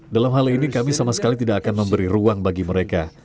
dalam hal ini kami sama sekali tidak akan memberi ruang bagi mereka